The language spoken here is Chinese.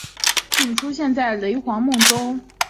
仅出现在雷凰梦中。